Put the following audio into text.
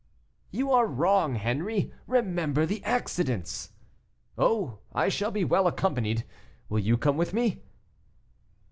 "You are wrong, Henri; remember the accidents." "Oh! I shall be well accompanied; will you come with me?"